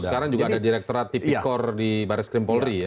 terus sekarang juga ada direkturat tipikor di baris krimpolri ya